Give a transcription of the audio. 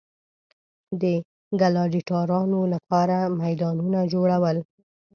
د ګلاډیټورانو لپاره میدانونه جوړول.